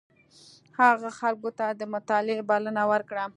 هغه خلکو ته د مطالعې بلنه ورکړه.